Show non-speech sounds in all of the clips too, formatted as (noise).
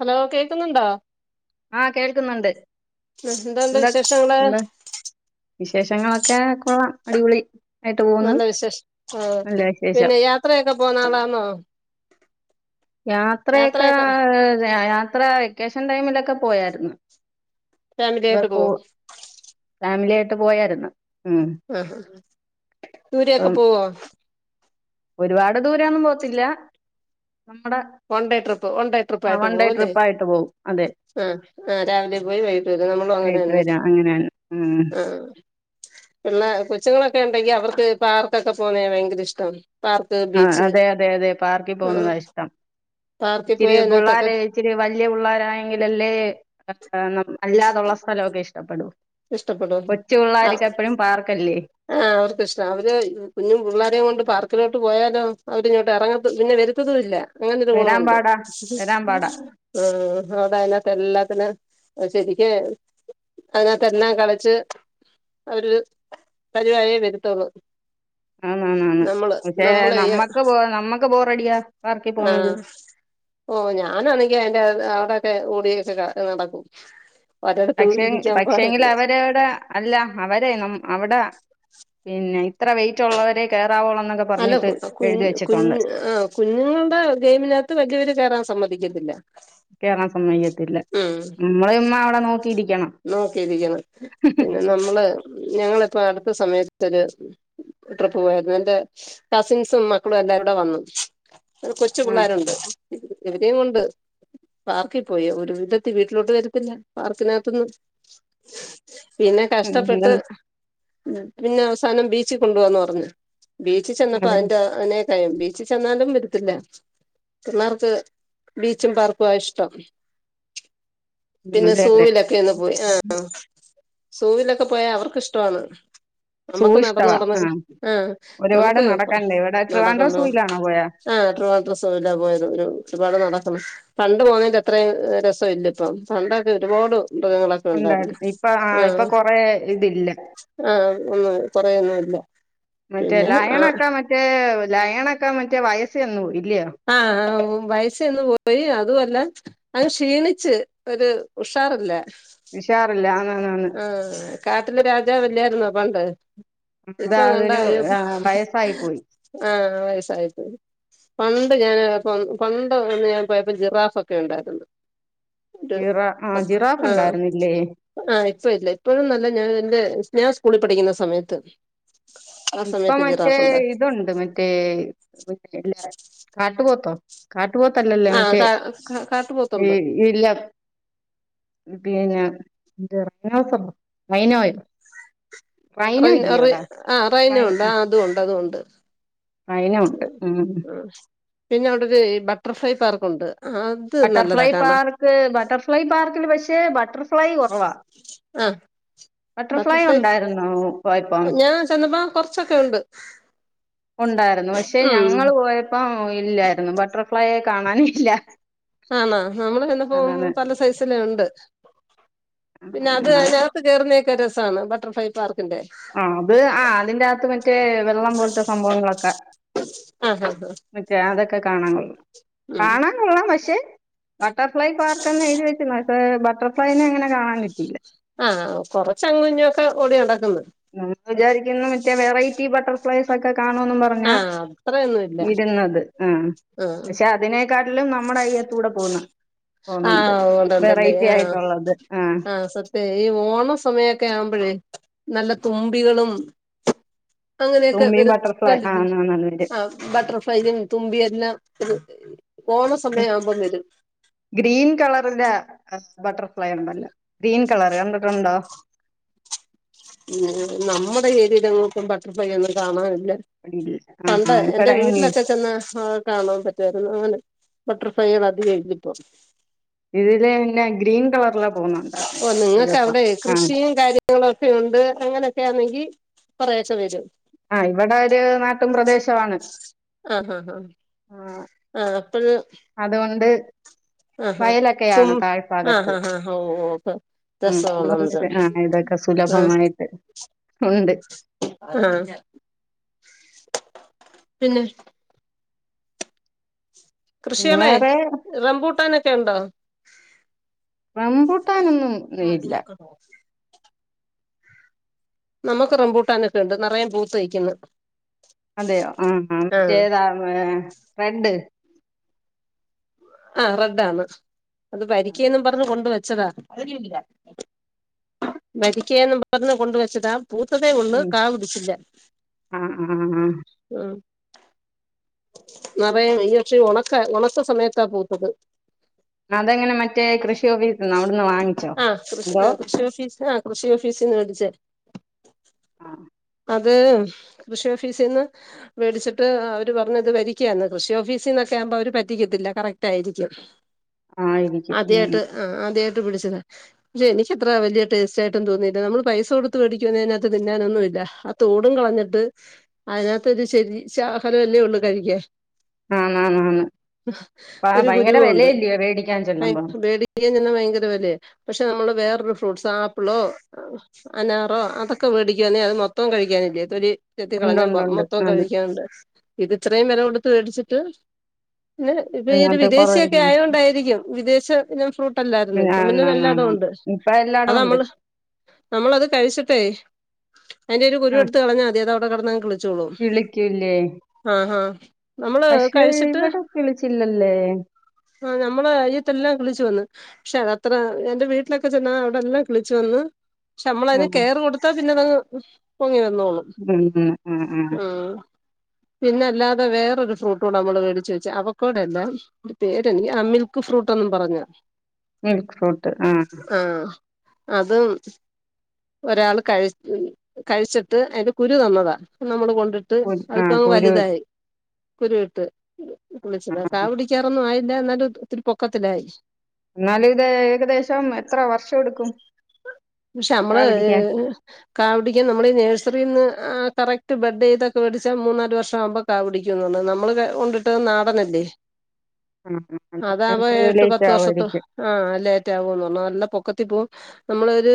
Hello കേക്ക്ന്നുണ്ടോ? ആഹ് കേൾക്ക്ന്ന്ണ്ട് എന്തുണ്ട് എന്താ വിശേഷങ്ങള് എന്താ വിശേഷങ്ങളൊക്കെ കൊള്ളാം അടിപൊളി. ആയിട്ട് പോകുന്നു നല്ല വിശേഷം ആഹ് നല്ല വിശേഷം പിന്നെ യാത്രയെക്കെ പോന്നളാന്നോ? യാത്രയെക്കെ ഏത് യാത്ര വെക്കേഷൻ ടൈമിലൊക്കെ പോയാര്ന്നു. വെ ഫാമിലിയായിട്ട് കൂ പോവും ഫാമില്യായിട്ട് പോയാര്ന്ന് ഉം ഉം ഉം ദൂരെക്കെ ഇപ്പം പോവോ? ഒരുപാട് ദൂരൊന്നും പോവത്തില്ല നമ്മടെ one day trip one day ട്രിപ്പായിട്ട് പോവും. ഡെ അല്ലേ ട്രിപ്പായിട്ട് പോവും അതെ. ആഹ് ആഹ് രാവിലെ പോയി വൈകിട്ട് വെരും. നമ്മളു അങ്ങനെ തന്നെ വെരാ അങ്ങനെണ്. ആഹ് പിന്നെ കൊച്ചുങ്ങളൊക്കെ ഉണ്ടെങ്കി അവർക്ക് പാർക്കൊക്കെ പോവുന്നെ ഭയങ്കര ഇഷ്ടമാണ് പാർക്ക് ആഹ് ബീച്ച് അതെ അതെ അതെ പാർക്കിൽ ആഹ് പോവുന്നതാ ഇഷ്ടം പാർക്കിൽ ഇതിരി പോയി അതിനകത്തൊക്കെ പുള്ളാരെ ഇച്ചിരി വല്യ പുള്ളോരായെങ്കിലല്ലേ അല്ലാതെ ഉള്ള സ്ഥലമൊക്കെ ഇഷ്ടപ്പെടു ഇഷ്ടപ്പെടും കൊച് ആഹ് പിള്ളാർക്ക് എപ്പഴും പാർക്കല്ലേ ആഹ് അവർക്ക് ഇഷ്ടം അവര് കുഞ്ഞ പിള്ളോരെയും കൊണ്ട് പാർക്കിലോട്ട് പോയാലോ അവരിങ്ങോട്ട് ഇറങ്ങ പിന്നെ വര ത്തുല്ല അങ്ങനെരു വരാൻ ഗുണമുണ്ട് പാടാ വരാൻ പാടാ ആഹ് ടൈമൊക്കെ എല്ലാത്തിനും ശരിക്കെ അയ്നാത്തെ ല്ലാം കളിച്ച് അവര് പതിവായേ വരുത്തോളു ആന്ന് ആന്ന് ആന്ന് നമ്മള് പക്ഷേ നമ്മള് യ്യാ നമ്മക്ക് ബോ നമ്മക്ക് ബോറടിയാ പാർക്കി പോകുന്നത് ആഹ് ഓഹ് ഞാനാണെങ്കി അയിന്റെ അവിടെക്കെ ഓടിക്കെ നടക്കും ഒരിടത്ത് പക്ഷെ ഇരിക്കാൻ പക്ഷെങ്കിൽ പാടില്ലേ അവരോടെ അല്ല അവരെ ന അവിടെ പിന്നെ ഇത്ര വെയിറ്റ് ഉള്ളവരെ കെയറാവുള്ളന്ന് അല്ല കു കു ആഹ് കുഞ്ഞുങ്ങളുടെ ഗെയിമിനകത്ത് വലിയവര് കയറാൻ സമ്മതിക്കത്തില്ല കേറാൻ സമ്മക്കത്തില്ല, ഉം നമ്മള ചുമ്മാ അവിടെ നോക്കിയിരിക്കണം. നോക്കിയിരിക്കണം പിന്നെ നമ്മള് ഞങ്ങളിപ്പോ അടുത്ത സമയത്തൊരു ട്രിപ്പ് പോയരുന്നു. എന്റെ കസിൻസും, മക്കളും എല്ലാരും കൂടെ വന്നു. ഒരു കൊച്ചു ആ പിള്ളേരുണ്ട് ഇവരേയും കൊണ്ട് പാർക്കിൽ പോയി ഒരു വിധത്തിൽ വീട്ടിലോട്ട് വരത്തില്ല, പാർക്കിനകത്തിന്ന്. പിന്നെ ഉം, കഷ്ടപ്പെട്ട് ഉം, പിന്നെ അവസാനം ബീച്ചിൽ കൊണ്ടു പൊക എന്ന് പറഞ്ഞു. ബീച്ചിൽ ചെന്നപ്പോ അതെ അതിന്റെ അതിനെക്കാൾ ബീച്ചിൽ ചെന്നാലും നിർത്തില്ല. പിളാർക്ക് ബീച്ചും പാർക്കുവാ ഇഷ്ടം. (inaudible) പിന്നെ അതെ അതെ സൂവിലൊക്കെ ഒന്ന് പോയി, ആ സൂവിലൊക്കെ പോയാൽ അവർക്ക് ഇഷ്ടമാണ്. സൂ നമ്മുക്ക് നടന്ന് ഇഷ്ടവാ നടന്ന ആ ആഹ് ഒരുപാട് നമ്മുക്ക് നടക്കണ്ടേ ഇവിടെ ട്രിവാൻഡ്രം നടക്കണ്ട. സൂയിലാണോ പോയാ ആഹ് ട്രിവാൻഡ്രംസൂല്ലാ പോയത്, ഒരു ഒരുപാട് നടക്കണം. പണ്ട് പോന്നതിൻ്റെ അത്രയും രസം ഇല്ല ഇപ്പ പണ്ടൊക്കെ ഒരുപാട് മൃഗങ്ങളൊക്കെ ണ്ടായിരുന്നു. ഉണ്ടായിരുന്നു ഇപ്പൊ ആ ഇപ്പൊ കൊറേ ഇതില്ല ആ ഒന്നും കൊറേന്നും ഇല്ല. മറ്റേ ലയണക്കെ മറ്റേ ലയണക്കെ മറ്റേ വയസ് ചെന്നും പോയി ഇല്ലയോ?. ആഹ് വയസ്സന്നു പോയി അതുമല്ല അത് ക്ഷീണിച്ച് ഒരു ഉഷാറില്ല. ഉഷാറില്ല ആണാണ്. ആഹ് കാട്ടിലെ രാജവല്ലായിരുന്നോ പണ്ട്. അതാ ഇപ്പൊ അതൊരു കണ്ടായോ ആ, വയസ്സായി പോയി ആഹ് ആ വയസായി പോയി. പണ്ട് ഞാന് പണ്ട് ഒന്ന് ഞാൻ പോയപ്പോ ജിറാഫൊക്കെ ഉണ്ടായിരുന്നു. ഒരു ജിറാ ആ ജിറാഫ് ആഹ് ഉണ്ടായിരുന്നില്ലേ ആഹ് ഇപ്പ ഇല്ല ഇപ്പോഴും നല്ല ഞാൻ എന്റെ സ്നാ സ്കൂളിൽ പഠിക്കുന്ന സമയത്ത്. ആ ഇപ്പൊ സമയത്ത് മറ്റേ ജിറാഫ് ഉണ്ട് ഇതുണ്ട് മറ്റേ പിന്നല്ല കാട്ടുപത്തോ കാട്ടുപോത്തല്ലല്ലോ ആ മറ്റേ കാ ഈ കാട്ടുപോത്തുണ്ട് ഇല്ലം. പിന്നെ റൈനോ സംഭവം റൈനോയോ റൈനും ഇല്ല അവിടെ ആഹ് റൈനറുണ്ട് ആ അതുണ്ട് അതുണ്ട് റൈനോ ഉണ്ട് ഉം പിന്നെ അവിടെ ഒരു ബട്ടർഫ്ലൈ പാർക്ക് ഉണ്ട് ആഹ് ബട്ടർഫ്ലൈയ് പാർക്ക് ബട്ടർഫ്ലൈയ് പാർക്കില് പക്ഷെ ബട്ടർഫ്ലൈയ് കൊറവാ. ആ ബട്ടർഫ്ലൈയ് ബട്ടർഫ്ലൈ ഉണ്ടായിരുന്നോ പോയപ്പം. ഞാൻ ചെന്നപ്പോ കൊറച്ചൊക്കെ ഉണ്ട്. ഉണ്ടായിരുന്നു. പക്ഷെ ഉം ഞങ്ങള് പോയപ്പം ഇല്ലായിരുന്നു, ബട്ടർഫ്ലൈയെ കാണാനില്ല. ആനോ നമ്മള് ചെന്നപ്പോ അതാണ് പല സൈസിലെ ഒണ്ട്. ആ പിന്നെ അത് കഴിഞ്ഞാ - അകത്ത് കേറുന്നോക്കെ ഒരു രസമാണ് ബട്ടർഫ്ലൈയ് പാർക്കിന്റെ ആഹ് അത് ആഹ് അതിന്റെയാത്ത് മറ്റേ വെള്ളം പോലത്തെ സംഭവങ്ങളൊക്കെ ആ ആ ആ അതൊക്കെ കൊള്ളാം ഉം കാണാൻ കൊള്ളാം പക്ഷേ ബട്ടർഫ്ലൈ പാർക്ക് എന്ന് എഴുതി വച്ച് പക്ഷെ ബട്ടർഫ്ലൈയിനെ അങ്ങനെ കാണാൻ കിട്ടിയില്ല. ആഹ് കൊറച്ച് അങ്ങും ഇങ്ങൊക്കെ ഓടി നടക്കുന്നു. നമ്മള് ഒക്കെ വിചാരിക്കുന്നു മറ്റേ വെറൈറ്റി ബട്ടർ ഫ്ലെയിസ് ഒക്കെ കാണുമെന്നും പറഞ്ഞാ ആഹ് അത്രയൊന്നുല്ല ഇരുന്നത് ആഹ് ആഹ് പക്ഷെ അതിനെ കാട്ടിലും നമ്മുടെ അയ്യത്തൂടെ പോകുന്ന് പോന്നുണ്ട് ആഹ് ഉണ്ടുണ്ടല്ലേ വെറൈറ്റി ആഹ് ആയിട്ടുള്ളത്. ആഹ് ഈ ഓണ സമയൊക്കെ ആവുമ്പഴേ നല്ല തുമ്പികളും അങ്ങനെയൊക്കെ തുമ്പിയും വരുന്നെ ബട്ടർഫ്ലൈ ആ കണ്ടിട്ടുണ്ട് എന്നാ വരും ആ ബട്ടർഫ്ലൈയും തുമ്പിയു എല്ലാം ഓണ സമയം ആവുമ്പോ വരും. ഗ്രീൻ കളറിലെ ബട്ടർഫ്ലൈ ഒണ്ടല്ലോ, ഗ്രീൻ കളർ കണ്ടിട്ടുണ്ടോ? നമ്മുടെ ഏരിയില് അങ്ങോട്ടു ബട്ടർഫ്ലൈ ഒന്നും കാണാറില്ല. ഇല്ല ആ ആ പണ്ട് എന്റെ ഇവിടെ ഈ- വീട്ടിലൊക്കെ ചെന്നാൽ കാണൻ പറ്റും രുന്നു അങ്ങനെ ബട്ടർഫ്ലൈകൾ അധികം ഇല്ല ഇപ്പൊ ഇതില് പിന്നെ ഗ്രീൻ കളറിലെ പോന്നൊണ്ടാരുന്നു ഒരു ദിവസം കളറിപോകുന്നുണ്ടായിരുന്നു ഒരുപ്പം ആ ങ്ങളൊക്കെ ഒണ്ട് അങ്ങനെയൊക്കെ ആണെങ്കിൽ കൊറേശ്ശേ വരും ആഹ് ഇവിടെ ഒരു നാട്ടും പ്രദേശമാണ് ആഹ് ആ, ആഹ് അപ്പഴ് - അതുകൊണ്ട്- ആഹ് വയലൊക്കെയാണ് താഴ്ഭാഗത്ത് ആഹ് ആഹ് (unintelligible) ഉം രസമാണ് അതുകൊണ്ട് ഇത് എല്ലാം ആ ഇതൊക്കെ സുലഭമായിട്ട് ഉണ്ട് ആഹ് പിന്നെ - പിന്നെ കൃഷികളെ വേറെ റംമ്പൂട്ടാനൊക്കെ ഒണ്ടോ റമ്പുട്ടാനൊന്നും ഇതില് ഇല്ല ഓഹ് നമുക്ക് റംബൂട്ടാനൊക്കെ ഒണ്ട് നെറയെ പൂത്ത് നിക്കുന്നു അതെയോ ആഹ് ആഹ് ഏതാ റെഡ് ആഹ് റെഡാണ് അത് വരിക്കേന്നും പറഞ്ഞ് കൊണ്ട് വെച്ചതാ വരിക്കയാന്നും പറഞ്ഞു കൊണ്ടുവെച്ചതാ പൂത്തതെ ഒള്ളൂ കാ പിടിച്ചില്ല ആഹ് ആഹ് ആഹ് ആഹ് നെറയും ഈ പക്ഷെ ഉണക്ക ഉണക്ക സമയത്താ പൂത്തത് അതെങ്ങനെ മറ്റേ കൃഷി ഓഫീസിന്നോ അവിടുന്ന് വാങ്ങിച്ചോ ആഹ് അതോ കൃഷി ഓഫീസ് ആഹ് കൃഷി ഓഫീസിന്ന് മേടിച്ചേ ആഹ് അത് കൃഷി ഓഫീസിന്ന് മേടിച്ചിട്ട്- എന്നിട്ട് പറഞ് ഇത് വരിക്കയാന്ന് കൃഷി ഓഫീസിന്നൊക്കെ ആവുമ്പോ അവര് പറ്റിക്കത്തില്ല കറക്റ്റ് ആയിരിക്കും ആയിരിക്കും ഉം ആദ്യായിട്ട് ആഹ് ആദ്യായിട്ട് വിളിച്ചതാ പക്ഷെ എനിക്കത്ര വല്ല്യ ടേസ്റ്റ് ആയിട്ടും തോന്നീല്ല നമ്മള് പൈസ കൊടുത്ത് മേടിക്കുന്നതിനകത്ത് തിന്നാനൊന്നും ഇല്ല തോടും കളഞ്ഞിട്ട് അതിനകത്തെരു ശരി ശാഹലല്ലേ ഒള്ളു കഴിക്ക്യാൻ ആന്നാന്ന് ആന്ന് ആ ഒരു ഭയങ്കര കുരുവുണ്ട് വിലയല്ലയോ മേടിക്കാൻ ചെല്ലുമ്പോ മേടി ക്ക്യാൻ ചെന്ന ഭയങ്കര വെലയ പക്ഷെ നമ്മള് വേറൊരു ഫ്രൂട്ട്സ് ആപ്പ്ളോ അനാറോ അതൊക്കെ വേടിക്ക്യാന്നെ അത് മൊത്തം കഴിക്ക്യാനില്ലേ തൊലി ഉണ്ട് ചെത്തിക്കളഞ്ഞാ ഉണ്ട് മോ ഉണ്ട് മൊത്തോം അത് കഴിക്ക്യാനുണ്ട് ഇത് ഇത്രേം വേല കൊടുത്ത് മേടിച്ചിട്ട് പിന്നെ ഇപ്പൊ ഈ ഒരു അതിനകത്ത് കുറവില്ല വിദേശിയൊക്കെ ആയത് കൊണ്ടായിരിക്യും വിദേശ ഇനം ഫ്രൂട്ടല്ലായിരുന്ന് ഇപ്പൊ പിന്നെ എല്ലാടോ ഉണ്ട് അ എല്ലാടോ അത് ഉണ്ട് നമ്മള് നമ്മളത് കഴിച്ചിട്ടെ അയിന്റെ ഒരു കുരു എടുത്ത് കളഞ്ഞാ മതി അത് അവടെ കടന്നങ് കിളി കിളിക്യൂ ഇല്ലേ ആ ഹാ പക്ഷേ ഇവടെ കിളിച്ചില്ലല്ലേ ആ നമ്മളെ അയ്യത്തെല്ലാം കിളിച്ചു വന്ന് പക്ഷെ അത്ര എന്റെ വീട്ടിലൊക്കെ ചെന്നാ അവടെല്ലാം കിളിച്ചു വന്ന് പക്ഷെ നമ്മള അതിന് ഉം, കെറ് കൊടുത്താ പിന്നെ അതങ്ങ് പൊങ്ങി വന്നോളും ഉം ഉ ഉം ഉം പിന്നെ അല്ലാതെ വേറൊരു ഫ്രൂട്ടൂടെ നമ്മള് മേടിച്ച് വെച്ച് അവക്കാടോ അല്ല പേര് എനിക്ക് ആ മിൽക്ക് ഫ്രൂട്ടന്നും പറഞ് മിൽക് ഫ്രൂട്ട് ആഹ് ആഹ് അതും ഒരാള് കയി കഴിച്ചിട്ട് അയിന്റെ കുരു തന്നതാ നമ്മള് കൊണ്ട് ട്ട് കുരു അത് ആ ഇപ്പം കുരു വല്തായി കുരു ഇട്ട് ആ, കിളിച്ചതാ ആ. കാവുടി ക്യാറോന്നും ആയില്ല ന്നാലും അത് ഒത്തിരി പൊക്കത്തിലായി ന്നാലും ഇത് ഏകദേശം എത്ര വർഷ എട്ക്കും പക്ഷേ അമ്മള് കാവടിക്ക്യ നമ്മള് ഈ നേഴ്സറീന്ന് കറക്റ്റ് ബെഡയ്ത് ഒക്കെ മേടിച്ചാ മൂന്നാല് വർഷ ആവുമ്പ കാ പിടിക്യുന്ന് പർഞ് നമ്മള് കൊണ്ട് ഇട്ടത് നാടനല്ലേ അതാവുമ്പോ (unintelligible) എട്ട് ലൈറ്റ് പത്ത് വർഷത്ത് ആവായിരിക്യും ആഹ് ലേറ്റ് ആവൂന്ന് പർഞ് നല്ല പൊക്കത്തി പോവും നമ്മള് ര്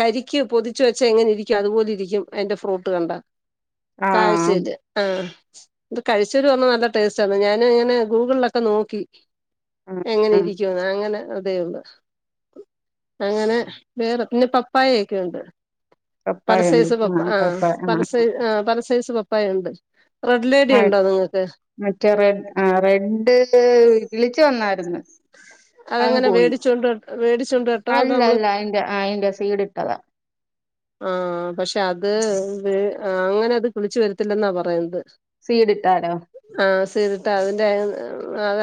കരിക്ക് പൊതിച്ച് വെച്ചാ എങ്ങനെ ഇരിക്യും അതുപോലെ ഇരിക്യും അയിന്റെ ഫ്രൂട്ട് കണ്ടാ ആ കാഴ്ചത് ആഹ് ഇത് കഴിച്ചോരു പർഞ്ഞ് നല്ല ടെസ്റ്റ് ആന്ന് ഞാന് ഇങ്ങനെ ഗൂഗ്ൾലോക്കെ നോക്കി ആ എങ്ങനെ ആ ഇരിക്യുന്ന് അങ്ങനെ അതേ ഒള്ള് അങ്ങനെ വേറെ പിന്നെ പപ്പായെക്കെ ഒണ്ട് പല പപ്പായണ്ട്. സൈസ് പപ്പ ആ ആഹ് പപ്പായ ആ പല സൈ ആ പല സൈസ് പ പ്പായ ഇണ്ട് റെഡ് ലേഡി ആ ആ, ഇണ്ടോ നിങ്ങക്ക് മറ്റേ റെ ആഹ് റെഡ് കിളിച് വന്നായിരിന്ന് അത് എങ്ങനെ വേടിച്ചോണ്ട് ന വേടിച്ചൊണ്ട് നട്ടോ അത് അല്ല നമ്മള് അല്ല അയിന്റെ അയിന്റെ സീഡ് ഇട്ടതാ ആഹ് പക്ഷേ അത് അങ്ങനെ അത് കിളിച് വെരത്തില്ലന്നാ പറയുന്നത് സീഡ് ഇട്ടാലോ ആഹ് സീടിട്ടാല് അതിന്റെ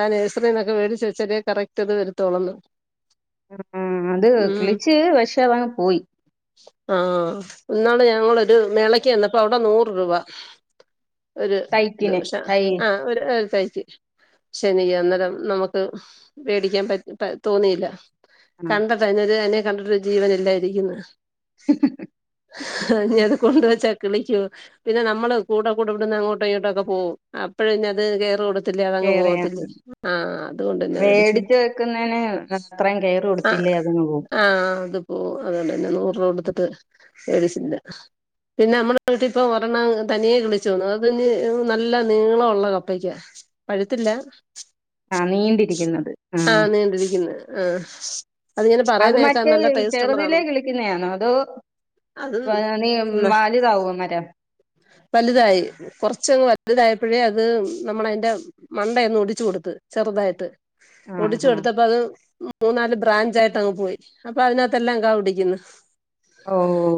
ആ നേഴ്സറിന്ന് ഒക്കെ വേടിച്ച് വെച്ചാലെ കറക്റ്റ് അത് വെരത്തോള്ളന്ന് ആ അത് ഉം കിളിച്ച് പക്ഷേ അത അങ്ങ് പോയി ആഹ് ഇന്നാള് ഞങ്ങള് ഒരു മേളയ്ക്ക് വന്നപ്പോ അവിടെ നൂറ് രൂപ ഒരു തൈക്കിന് ദോഷ തൈ ആഹ് ഒരു കഴക്ക് ശനി അന്നേരം നമുക്ക് മേടിക്കാൻ പറ്റ പ തോന്നിയില്ല ആ കണ്ട (unintelligible) അയിനെ കണ്ടിട്ട് ജീവന് ഇല്ലായിരിക്ക്ന്ന് ആഹ് ഇഞ്ഞത് കൊണ്ട് വെച്ചാ കിളിക്കോ പിന്നെ നമ്മള് കൂടെ കൂടെ ഇവിടന്ന് അങ്ങോട്ടോ ഇങ്ങോട്ടോ ഒക്കെ പോവും അപ്പഴ് പിന്നെ അത് കേറ് കൊട് ത്തില്ലേ അതങ്ങ് കേറയാ പോവത്തില്ലേ ആഹ് അത് കൊണ്ട് അന്നെ മേടിച്ചില്ല വേടിച്ച് വെക്കുന്നേന് അത്രയും കെയർ ആഹ് കൊടുത്തില്ലേ അതങ്ങ് പോവും. ആഹ് അത് പ്പോ അതോണ്ടെന്നെ നോ കൊടുത്തിട്ട് ഏരിച്ചില്ല പിന്നെ അമ്മള് വീട്ടി ഇപ്പൊ ഒരെണ്ണം തനിയെ കിളിച്ചോന്ന് അയിന് നല്ല നീള ഒള്ള കപ്പയ്ക്കാ പഴുത്തില്ല ആഹ് നീണ്ടിരിക്കുന്നത് ആഹ് നീണ്ടിരിക്കുന്നേ ആഹ് അത് ഇങ്ങനെ പറയിന്നേക്കാ നല്ല ടേസ്റ്റ് ഒള്ളതാണെന്ന് കിന്നേ ആന്നോ അതോ വാ നീ ന വാലിതാവോ മരം വലുതായി കൊറച്ച് അങ്ങ് വലുതായപ്പഴേ അത് നമ്മള് അയിന്റെ മണ്ടയൊന്ന് ഒടിച്ച് കൊടുത്ത് ചെറുതായിട്ട് ആ ഒടിച്ച് ആ കൊടുത്തപ്പ അത് മൂന്നാല് ബ്രാഞ്ച് ആയിട്ട് അങ്ങ് പോയി അപ്പൊ അതിനാത്ത് എല്ലാം കാ പിടിക്കുന്ന് ഓഹ്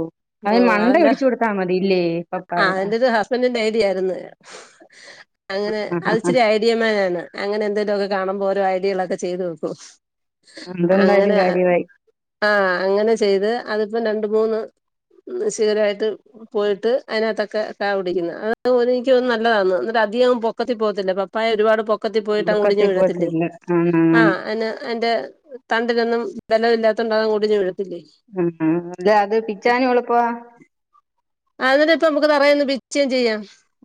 ഓഹ് അവന്റെ ആഹ് പപ്പായയുടെ അവന്റെത് ഹസ്ബന്റിന്റെ ഐഡിയ ആയിരുന്നു അങ്ങനെ അത് ഇച്ചിരി ഐഡിയ മാനാണ് അങ്ങനെ എന്തേലും ഒക്കെ കാണുമ്പോ ഓരോ ഐഡിയകള് ഒക്കെ ചെയ്ത് വെക്കും അതെന്തായാലും അങ്ങനെ കാര്യമായി ആഹ് അങ്ങനെ ചെയ്ത് അത്പ്പം രണ്ട് മൂന്ന് ഉം ശ്ശൂരായിട്ടും പോയിട്ട് അയിനാത്തൊക്കെ കാ പിടിക്കുന്ന് അത് ഒര് ഇൻക്ക് തോന്ന് നല്ലതാന്ന് ഇന്ന്ട്ട് അധികം പൊക്കത്തി പോകത്തില്ലപ്പം പോയ ഒരുപാട് പൊക്കത്തി പോയിട്ട് അങ്ങ് ഒടിഞ്ഞ് ഒടുക്കത്തിൽ വീഴത്തില്ലേ പോകത്തില്ല ആണാണ് ആഹ് അയിന് അയിന്റെ തണ്ടിനൊന്നും ബലമില്ലാത്തോണ്ട് അതങ്ങു ഒടിഞ്ഞു വീഴത്തില്ലേ ഉം ഉം ടെ അത് പിച്ചാനും എളുപ്പാ അതിനുപ്പം നമുക്ക് തറെ നിന്ന് പിച്ചേം ചെയ്യാം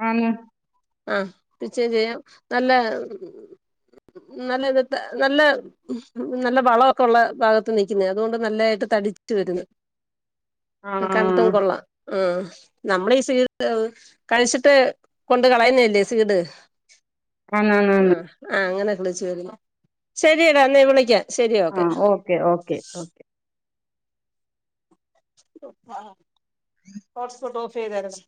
ആന്ന്‌ ആഹ് പിച്ചേം ചെയ്യാം നല്ല നല്ലെ ഇതിട്ട നല്ലെ ഉം നല്ല വളവൊക്കെ ഉള്ള ഭാഗത്ത് നിക്ക്ന്നെയാ അതുകൊണ്ട് നല്ലയായിട്ട് തടിച്ചു വരുന്നു ആ ഉം കണ്ടിട്ടും കൊള്ളാം ആഹ് നമ്മളെ ഈ സീഡ് കഴിച്ചിട്ട് കൊണ്ട് കളയുന്നെയല്ലേ സീഡ് ആന്നാന്ന് ആഹ് ആഹ് അങ്ങനെ കിളിച്ചു വരുന്നെ ശരിയടാ എന്നാ വിളിക്കാം ശരി ഓക്കെ ക്കെ ഓക്കെ ഓക്കെ (unintelligible) ഹോട്ട്സ്പോട്ട് ഓഫ് ചെയ്താര്ന്നോ